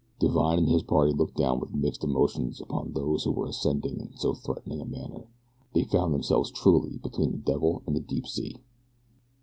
Divine and his party looked down with mixed emotions upon those who were ascending in so threatening a manner. They found themselves truly between the devil and the deep sea.